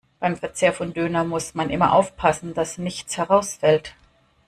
Beim Verzehr von Döner muss man immer aufpassen, dass nichts herausfällt.